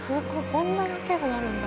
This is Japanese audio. こんな大きくなるんだ。